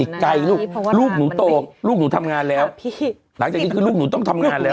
ไกลลูกลูกหนูโตลูกหนูทำงานแล้วหลังจากนี้คือลูกหนูต้องทำงานแล้ว